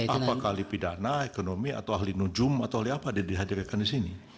apakah ahli pidana ekonomi atau ahli nujum atau ahli apa dihadirkan di sini